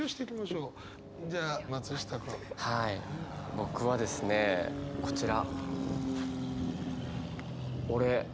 僕はですねこちら。